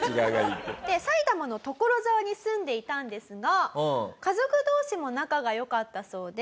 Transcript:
埼玉の所沢に住んでいたんですが家族同士も仲が良かったそうで。